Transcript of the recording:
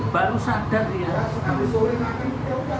baru sadar ya